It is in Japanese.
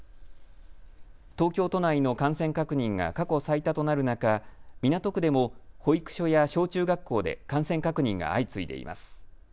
東京都内の感染確認が過去最多となる中、港区でも保育所や小中学校で感染確認が相次いでいます。